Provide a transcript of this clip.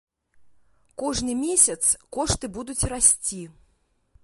Кожны месяц кошты будуць расці.